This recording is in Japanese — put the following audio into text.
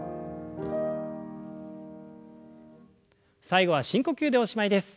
最後は深呼吸でおしまいです。